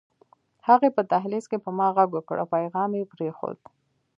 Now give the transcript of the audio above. هغې په دهلېز کې په ما غږ وکړ او پيغام يې پرېښود